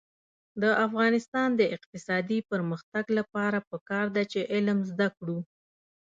د افغانستان د اقتصادي پرمختګ لپاره پکار ده چې علم زده کړو.